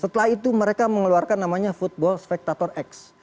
setelah itu mereka mengeluarkan namanya football spectator x